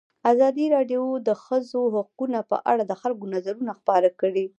ازادي راډیو د د ښځو حقونه په اړه د خلکو نظرونه خپاره کړي.